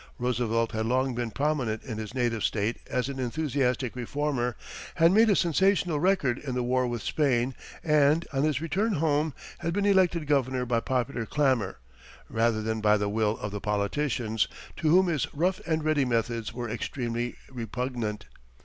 Roosevelt had long been prominent in his native state as an enthusiastic reformer, had made a sensational record in the war with Spain, and, on his return home, had been elected governor by popular clamor, rather than by the will of the politicians, to whom his rough and ready methods were extremely repugnant.